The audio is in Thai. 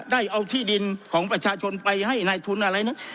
ได้เอาที่ดินของประชาชนไปให้นายทุนอะไรนั้น